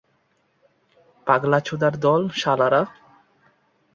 পাগলাচোদার দল, শালারা।